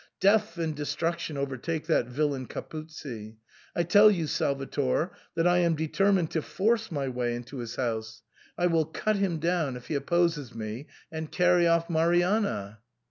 Death and destruction overtake that villain Capuzzi ! I tell you, Salvator, that I am determined to force my way into his house. I will cut him down if he opposes me and carry off Marianna."